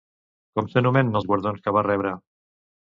Com s'anomenen els guardons que va rebre?